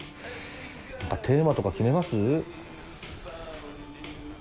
何かテーマとか決めます？